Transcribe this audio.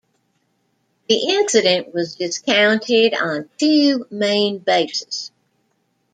The incident was discounted on two main bases.